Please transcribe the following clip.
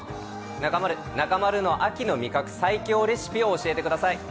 中丸、中丸の秋の味覚最強レシピを教えてください。